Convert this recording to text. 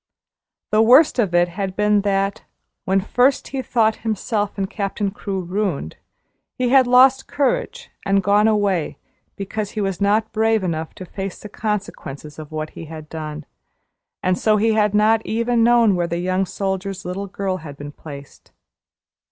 The worst of it had been that, when first he thought himself and Captain Crewe ruined, he had lost courage and gone away because he was not brave enough to face the consequences of what he had done, and so he had not even known where the young soldier's little girl had been placed.